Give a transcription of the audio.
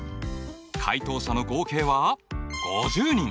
回答者の合計は５０人。